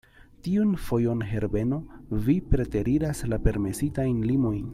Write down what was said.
Tiun fojon, Herbeno, vi preteriras la permesitajn limojn.